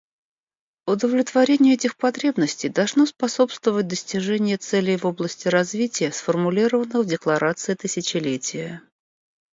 Удовлетворению этих потребностей должно способствовать достижение целей в области развития, сформулированных в Декларации тысячелетия.